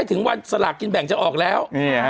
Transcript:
เออสาร่ากันแบ่งจะออกแล้ว